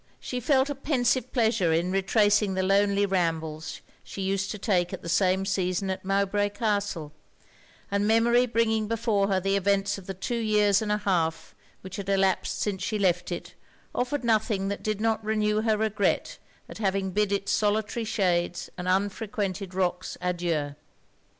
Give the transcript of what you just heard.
She felt a pensive pleasure in retracing the lonely rambles she used to take at the same season at Mowbray Castle; and memory bringing before her the events of the two years and an half which had elapsed since she left it, offered nothing that did not renew her regret at having bid it's solitary shades and unfrequented rocks adieu!